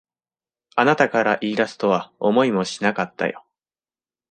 あなたから言い出すとは思いもしなかったよ。